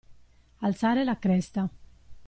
Alzare la cresta.